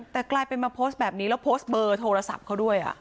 แต่กลายเป็นมาโพสต์แบบนี้แล้วโพสต์เบอร์โทรศัพท์เขาด้วย